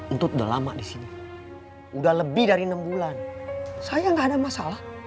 entut udah lama disini udah lebih dari enam bulan saya gak ada masalah